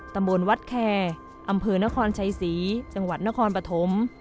ตำบลวัดแคร์อำเภอนครชัยศรีจังหวัดนครปฐม